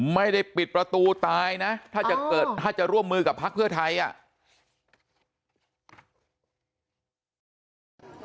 ไม่ได้ปิดประตูตายนะถ้าจะเกิดถ้าจะร่วมมือกับพักเพื่อไทยอ่ะ